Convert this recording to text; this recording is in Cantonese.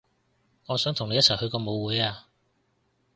我想同你一齊去個舞會啊